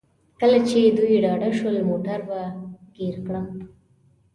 کله چې دوی ډاډه شول موټر به ګیر کړم.